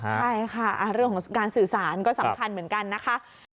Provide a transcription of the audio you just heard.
ใช่ค่ะเรื่องของการสื่อสารก็สำคัญเหมือนกันนะคะ